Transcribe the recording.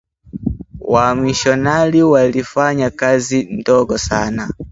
Wamishonari walifanya kazi ndogo sana